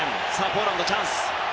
ポーランド、チャンス。